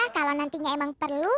kalo nantinya emang perlu